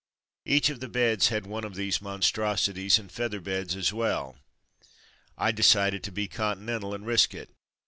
Each of the beds had one of these monstrosities and feather beds as well. I decided to be continental, and risk it.